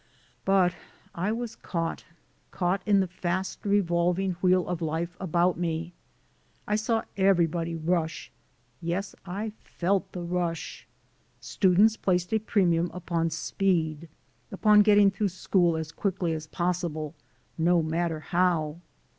But I was caught, caught in the fast revolving wheel of life about me. I saw everybody rush, yes, I felt the rush. Students placed a premium upon speed; upon getting through school as quickly as possible, no matter how.